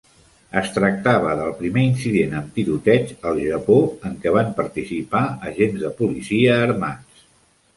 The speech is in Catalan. Es tractava del primer incident amb tiroteig al Japó en què van participar agents de policia armats.